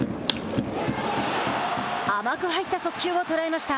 甘く入った速球を捉えました。